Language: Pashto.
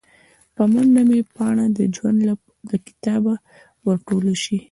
په منډه به مې پاڼه د ژوند له کتابه ور ټوله شي